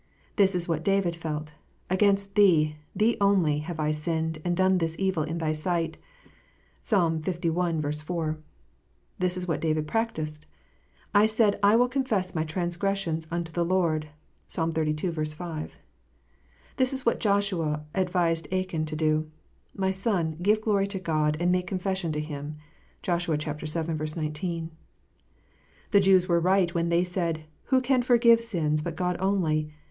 This is what David felt: "Against Thee, Thee only, have I sinned, and done this evil in Thy sight." (Psalm li. 4.) This is what David practised :" I said I will confess my transgressions unto the Lord." (Psalm xxxii. 5.) This is what Joshua advised Achan to do : "My son, give glory to God, and make confession to Him." (Josh. vii. 19.) The Jews were right when they said, " Who can forgive sins but God only